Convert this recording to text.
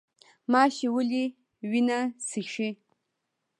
ماشی ولې وینه څښي؟